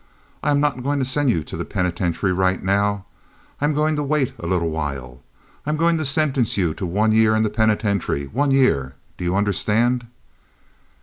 I am not going to send you to the penitentiary right now. I'm going to wait a little while. I am going to sentence you to one year in the penitentiary—one year. Do you understand?"